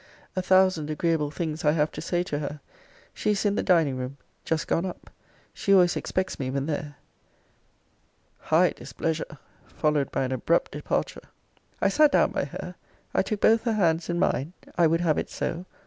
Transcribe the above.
A thousand agreeable things I have to say to her. She is in the dining room. Just gone up. She always expects me when there. High displeasure! followed by an abrupt departure. I sat down by her. I took both her hands in mine. I would have it so.